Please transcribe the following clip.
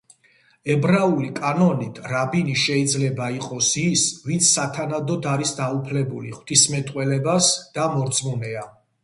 ებრაული კანონით, რაბინი შეიძლება იყოს ის, ვინც სათანადოდ არის დაუფლებული ღვთისმეტყველებას და მორწმუნეა.